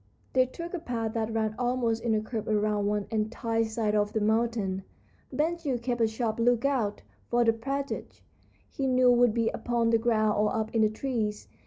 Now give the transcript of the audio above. They took a path that ran almost in a curve around one entire side of the mountain. Ben Gile kept a sharp lookout, for the partridge, he knew, would be upon the ground or up in the trees.